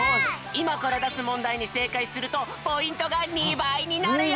いまからだすもんだいにせいかいするとポイントが２ばいになるよ！